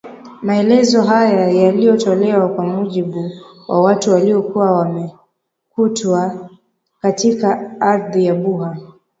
Maelezo haya yalitolewa kwa mujibu wa watu walikuwa wamekutwa katika ardhi ya Buha